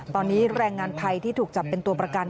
ตอนนี้แรงงานไทยที่ถูกจับเป็นตัวประกัน